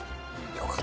よかった。